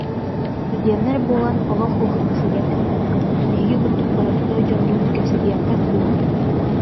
Студеннар буолан олох улахамсыйан эрдэххит, биһиги курдук боростуой дьоннуун кэпсэтиэххит дуо